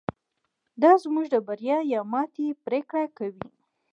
دا زموږ د بریا یا ماتې پرېکړه کوي.